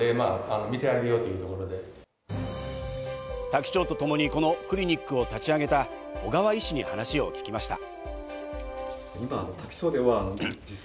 多気町とともにこのクリニックを立ち上げた小川医師に話を聞きました。